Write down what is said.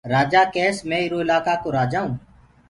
رآجآ ڪيس مي ايرو الآڪآئو رآجآئو